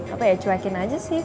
apa ya cuekin aja sih